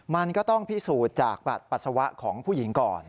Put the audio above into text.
มันก็ต้องพิสูจน์จากปัสสาวะของผู้หญิงก่อน